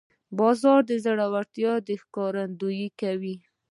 باز د زړورتیا ښکارندویي کوي